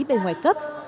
bên ngoài cấp